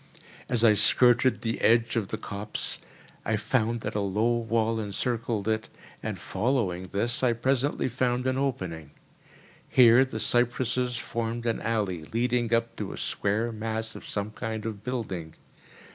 As I skirted the edge of the copse, I found that a low wall encircled it, and following this I presently found an opening. Here the cypresses formed an alley leading up to a square mass of some kind of building.